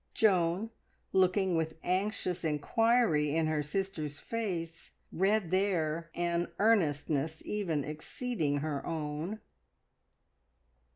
Joan, looking with anxious inquiry in her sister's face, read there an earnestness even exceeding her own.